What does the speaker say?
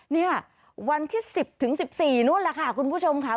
นี่ค่ะวันที่๑๐๑๔นู้นแหละค่ะคุณผู้ชมค่ะ